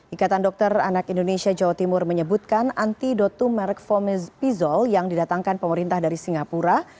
ikatan dokter anak indonesia jawa timur menyebutkan antidotum merek fomespizol yang didatangkan pemerintah dari singapura